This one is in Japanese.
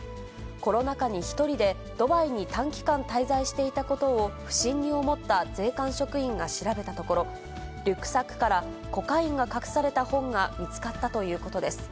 コロナ禍に１人でドバイに短期間滞在していたことを、不審に思った税関職員が調べたところ、リュックサックからコカインが隠された本が見つかったということです。